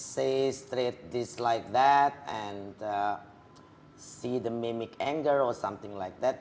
berkata seperti itu dan melihat memikirkan kemarahan atau sesuatu seperti itu